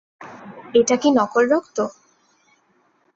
এটা কি নকল রক্ত?